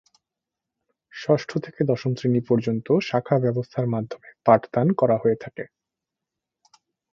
ষষ্ঠ থেকে দশম শ্রেণি পর্যন্ত শাখা ব্যবস্থার মাধ্যমে পাঠদান করা হয়ে থাকে।